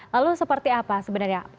lalu seperti apa sebenarnya